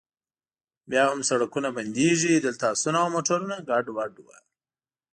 بیا هم سړکونه بندیږي، دلته اسونه او موټرونه ګډوډ و.